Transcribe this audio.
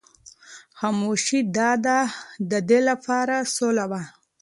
خاموشي د ده لپاره سوله وه.